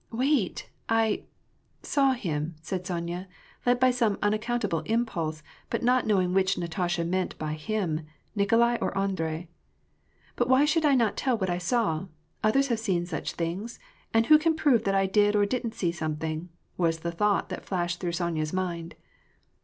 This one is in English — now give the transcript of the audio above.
Wait — I — saw him," said Sonya, led by some un accountable impulse, but not knowing which Natasha meant by him, Nikolai or Andrei. " But why should I not tell what I saw. Others have seen such things. And who can prove that I did or didn't see something," was the thought that flashed through Sonya's mind.